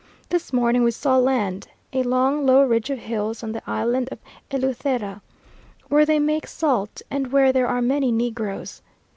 This morning we saw land; a long, low ridge of hills on the island of Eleuthera, where they make salt, and where there are many negroes.